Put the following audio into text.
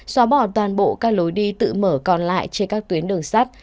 xóa bỏ toàn bộ các lối đi tự mở còn lại trên các tuyến đường sắt